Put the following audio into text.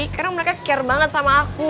karena mereka care banget sama aku